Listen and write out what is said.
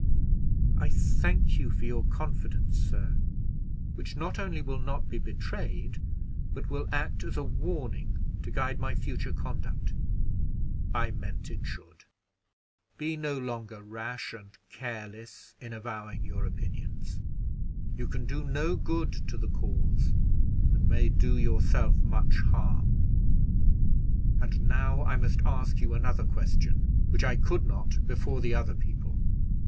"I thank you for your confidence, sir, which not only will not be betrayed, but will act as a warning to guide my future conduct." "I meant it should. Be no longer rash and careless in avowing your opinions. You can do no good to the cause, and may do yourself much harm. And now I must ask you another question, which I could not before the other people.